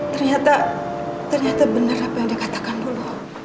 ternyata ternyata bener apa yang dikatakan dulu